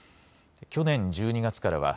去年１２月からは、